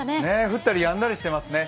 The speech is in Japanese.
降ったりやんだりしていますね。